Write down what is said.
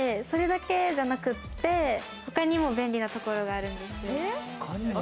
それだけじゃなくて、他にも便利なところがあるんですよ。